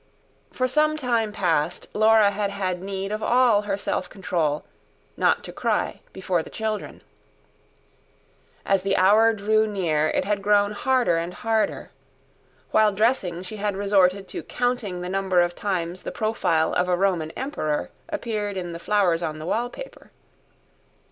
For some time past Laura had had need of all her self control, not to cry before the children. As the hour drew near it had grown harder and harder; while dressing, she had resorted to counting the number of times the profile of a Roman emperor appeared in the flowers on the wallpaper.